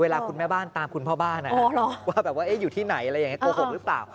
เวลาคุณแม่บ้านตามคุณพ่อบ้านว่าอยู่ที่ไหนโกหกหรือเปล่า